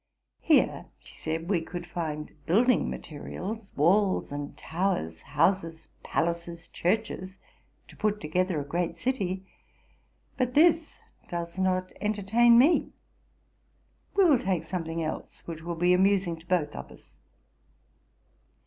Here,'' she said, '* we could find building materials, walls and towers, houses, palaces, churches, to put together a great city. But this does not entertain me. We will take something else, which will be amusing to both of us.